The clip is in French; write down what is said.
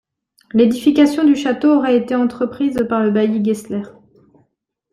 L'édification du château aurait été entreprise par le bailli Gessler.